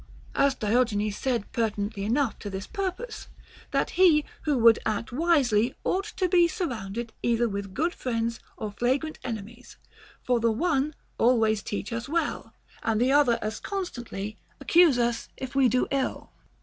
As Diogenes said pertinently enough to this purpose, that he who would act wiselv ought to be surrounded either with good friends or flagrant enemies ; 156 HOW TO KNOW A FLATTERER FROM A FRIEND for the one always teach us well, and the other as con stantly accuse us if we do ill.